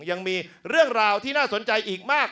ยังมีเรื่องราวที่น่าสนใจอีกมาก